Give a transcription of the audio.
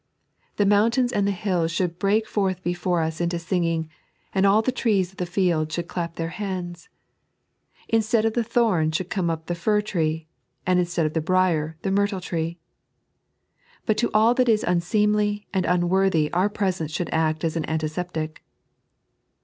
The mountains and the hills should break forth before us into singing, and all the trees of the field should clap their hands. Instead of the thorn should come up the fir tree, and instead of the briar the myrtle tree. But to all that is unseemly and unworthy our presence should act as an antiseptic.